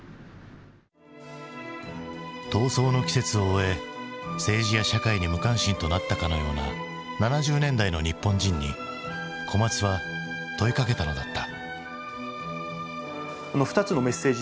闘争の季節を終え政治や社会に無関心となったかのような７０年代の日本人に小松は問いかけたのだった。